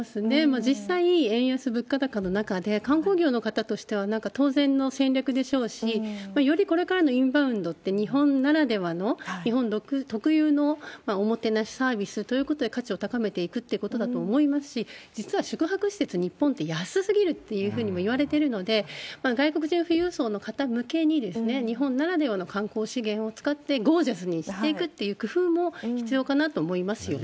実際、円安、物価高の中で観光業の方としては、なんか当然の戦略でしょうし、よりこれからのインバウンドって、日本ならではの、日本特有のおもてなしサービスということで価値を高めていくってことだと思いますし、実は宿泊施設、日本って安すぎるっていうふうにもいわれてるので、外国人富裕層の方向けに、日本ならではの観光資源を使って、ゴージャスにしていくっていう工夫も必要かなと思いますよね。